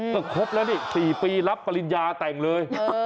ก็ครบแล้วนี่๔ปีรับปริญญาแต่งเลย